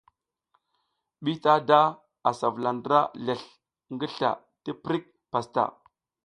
Bitada asa vula ndra lezl ngi sla tiprik pastaʼa.